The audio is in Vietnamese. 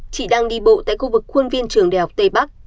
chị đang đi bộ tại khuôn viên trường đại học tây bắc